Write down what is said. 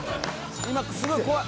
今すごい怖い。